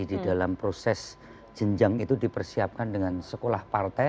di dalam proses jenjang itu dipersiapkan dengan sekolah partai